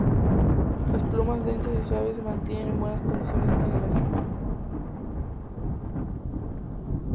Las plumas densas y suaves se mantienen en buenas condiciones en el acicalado.